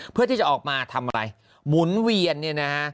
เพื่อที่จะออกมาทำอะไรหมุนเวียนเนี่ยนะฮะ